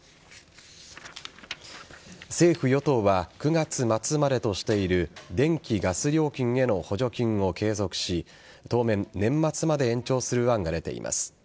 政府与党は９月末までとしている電気・ガス料金への補助金を継続し当面、年末まで延長する案が出ています。